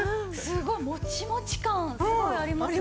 モチモチ感すごいありますね。